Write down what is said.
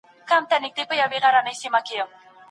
موټروان وویل چي بڼوال په اوږه باندي ګڼ توکي راوړي.